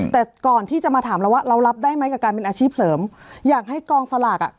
แต่ก่อนที่จะมาถามเราว่าเรารับได้ไหมกับการเป็นอาชีพเสริมอยากให้กองสลากอ่ะ